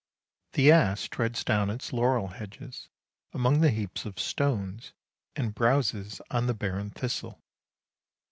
The ass treads down its laurel hedges among the heaps of stones, and browses on the barren thistle.